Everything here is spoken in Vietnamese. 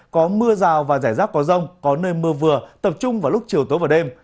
có mưa rào và rải rác có rông có nơi mưa vừa tập trung vào lúc chiều tối và đêm